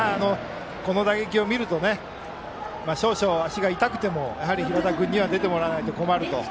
この打撃を見ると少々、足が痛くてもやはり平田君には出てもらわなくては困ると。